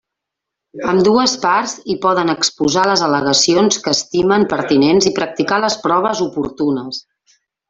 Ambdues parts hi poden exposar les al·legacions que estimen pertinents i practicar les proves oportunes.